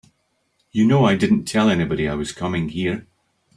You know I didn't tell anybody I was coming here.